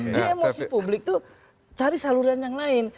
jadi emosi publik tuh cari saluran yang lain